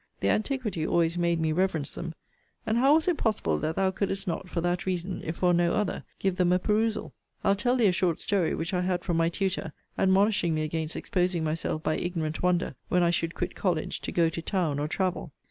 Their antiquity always made me reverence them: And how was it possible that thou couldest not, for that reason, if for no other, give them a perusal? I'll tell thee a short story, which I had from my tutor, admonishing me against exposing myself by ignorant wonder, when I should quit college, to go to town, or travel.